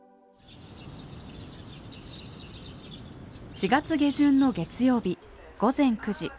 ４月下旬の月曜日午前９時。